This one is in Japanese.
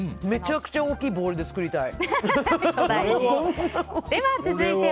めちゃくちゃ大きいボウルで作りたい。